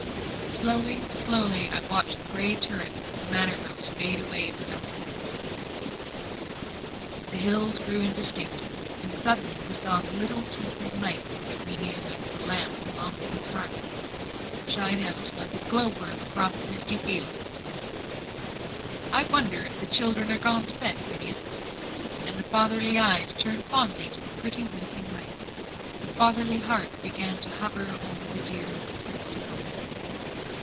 Slowly, slowly, I watched the grey turrets of the manor house fade away in the dusk; the hills grew indistinct, and suddenly we saw the little twinkling light that we knew was the lamp in Longfield parlour, shine out like a glow worm across the misty fields. "I wonder if the children are gone to bed, Phineas?" And the fatherly eyes turned fondly to that pretty winking light; the fatherly heart began to hover over the dear little nest of home.